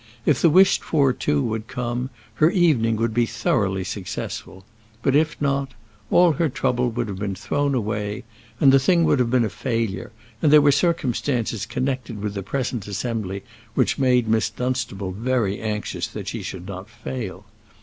If the wished for two would come, her evening would be thoroughly successful; but if not, all her trouble would have been thrown away, and the thing would have been a failure; and there were circumstances connected with the present assembly which made Miss Dunstable very anxious that she should not fail.